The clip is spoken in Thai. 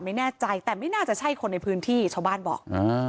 ไม่แน่ใจแต่ไม่น่าจะใช่คนในพื้นที่ชาวบ้านบอก